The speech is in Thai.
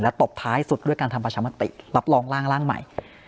ตบท้ายสุดด้วยการทำประชามติรับรองร่างใหม่